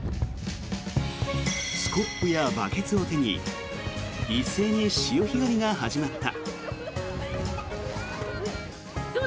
スコップやバケツを手に一斉に潮干狩りが始まった。